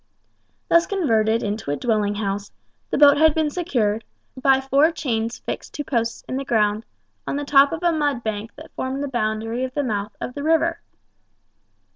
Thus converted into a dwelling house, the boat had been secured, by four chains fixed to posts in the ground, on the top of a mud bank that formed the boundary of the mouth of the river.